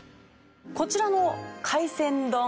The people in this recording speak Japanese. こちらの海鮮丼。